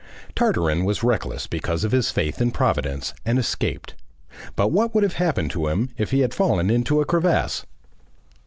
Tartarin was reckless because of his faith in Providence, and escaped. But what would have happened to him if he had fallen into a crevasse?